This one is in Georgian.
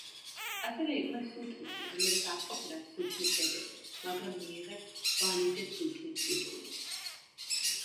ასევე იყვნენ სულთნები, რომლებიც არ ყოფილან სულთნის დედები, მაგრამ მიიღეს ვალიდე სულთნის ტიტული.